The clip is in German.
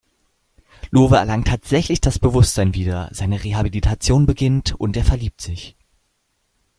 Lowe erlangt tatsächlich das Bewusstsein wieder, seine Rehabilitation beginnt, und er verliebt sich.